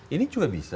ini juga bisa